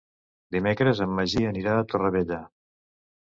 Dimecres en Magí anirà a Torrevella.